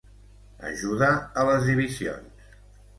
Ajuda a les divisions.